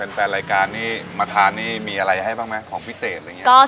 เต้นแปลงรายการที่มันกลับมาทานมีอะไรให้บ้างของพิเศษว่างนี้